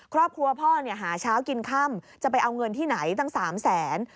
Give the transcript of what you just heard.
ครอบครัวพ่อหาเช้ากินค่ำจะไปเอาเงินที่ไหนตั้ง๓แสน